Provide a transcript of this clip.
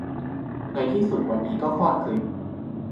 ในที่สุดวันนี้ก็คลอดคลิป